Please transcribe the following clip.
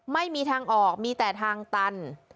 ไม่มีทางออกมีแต่ทางตัน